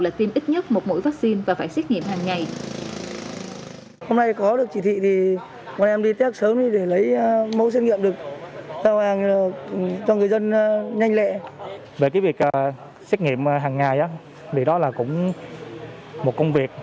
là tiêm ít nhất một mũi vaccine và phải xét nghiệm hàng ngày